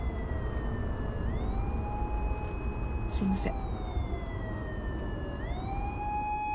すいません。